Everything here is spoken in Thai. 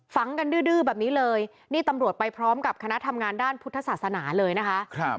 ฝังกันดื้อแบบนี้เลยนี่ตำรวจไปพร้อมกับคณะทำงานด้านพุทธศาสนาเลยนะคะ